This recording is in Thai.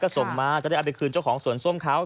ก็ส่งมาจะได้เอาไปคืนเจ้าของสวนส้มเขา